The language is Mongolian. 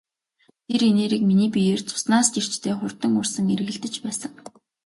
Тэр энерги миний биеэр цуснаас ч эрчтэй хурдан урсан эргэлдэж байсан.